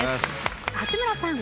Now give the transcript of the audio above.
八村さん。